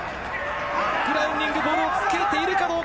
グラウンディング、ボールをつけているか？